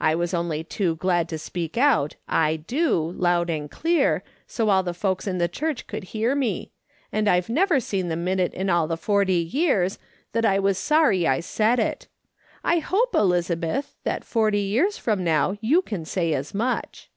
I was only too glad to speak out ' I do !' loud and clear, so all the folks in the church could hear me ; and I've never seen the minute in all the forty years that I was sorry I said it. I hope, Elizabeth, that forty years from now you can say as much."